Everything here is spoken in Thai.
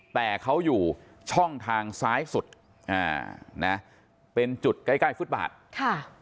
แต่เขาอยู่ช่องทางซ้ายสุดเป็นจุดใกล้ฟุตบาท